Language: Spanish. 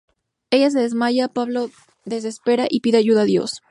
Ella se desmaya, Pablo desespera y pide ayuda a Dios.